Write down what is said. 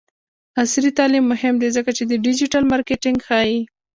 عصري تعلیم مهم دی ځکه چې د ډیجیټل مارکیټینګ ښيي.